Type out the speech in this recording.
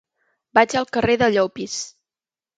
Vaig al carrer de Llopis.